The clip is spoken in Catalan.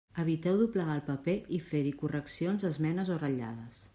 Eviteu doblegar el paper i fer-hi correccions, esmenes o ratllades.